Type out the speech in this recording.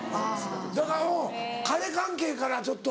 だからうん彼関係からちょっと。